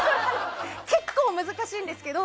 結構難しいんですけど。